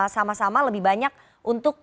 sama sama lebih banyak untuk